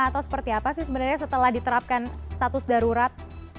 atau seperti apa sih sebenarnya setelah diterapkan status darurat